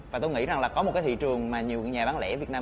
và tôi nghĩ rằng là có một cái thị trường mà nhiều nhà bán lẻ việt nam